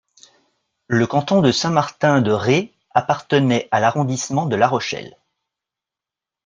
Le canton de Saint-Martin-de-Ré appartenait à l'arrondissement de La Rochelle.